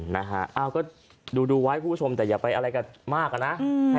นะวัยคุณผู้ชมอย่าไปการไรมากนะ